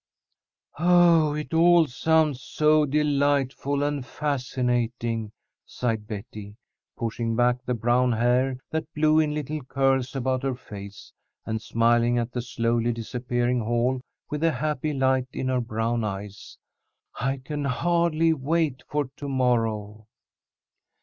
"Oh, it all sounds so delightful and fascinating," sighed Betty, pushing back the brown hair that blew in little curls about her face, and smiling at the slowly disappearing Hall with a happy light in her brown eyes. "I can hardly wait for to morrow."